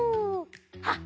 あっ！